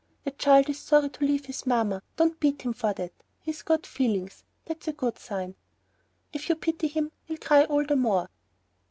"The child is sorry to leave his mamma, don't beat him for that. He's got feelings, that's a good sign." "If you pity him he'll cry all the more."